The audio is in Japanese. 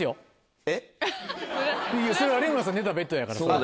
それ有村さん寝たベッドやから。